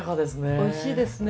おいしいですね。